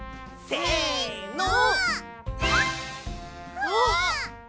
せの！